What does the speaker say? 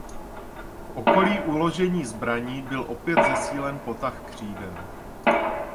V okolí uložení zbraní byl opět zesílen potah křídel.